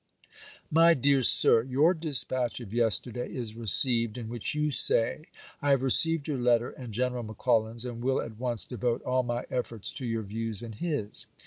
My dear Sir : Your dispatch of yesterday is received, in which you say :" I have received your letter and G en eral McClellan's, and will at once devote all my efforts to your views and his."